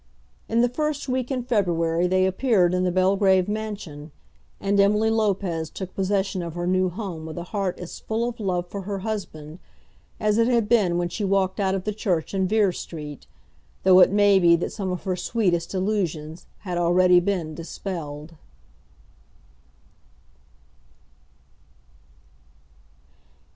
In the first week in February they appeared in the Belgrave mansion, and Emily Lopez took possession of her new home with a heart as full of love for her husband as it had been when she walked out of the church in Vere Street, though it may be that some of her sweetest illusions had already been dispelled.